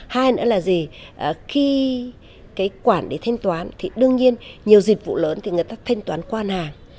hai nữa là gì khi cái quản lý thanh toán thì đương nhiên nhiều dịch vụ lớn thì người ta thanh toán qua hàng